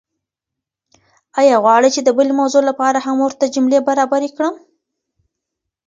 ایا غواړئ چې د بلې موضوع لپاره هم ورته جملې برابرې کړم؟